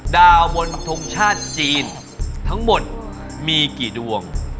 ดาวนทรงชาติจีนทั้งหมดมีกี่ดวง